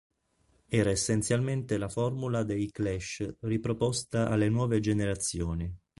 Era essenzialmente la formula dei Clash riproposta alle nuove generazioni.